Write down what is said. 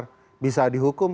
kalau tidak benar bisa dihukum